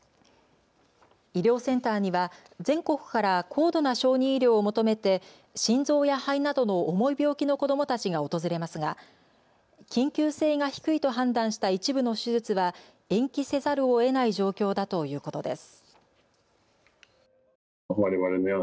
医療センターには全国から高度な小児医療を求めて心臓や肺などの重い病気の子どもたちが訪れますが緊急性が低いと判断した一部の手術は延期せざるをえない状況だということです。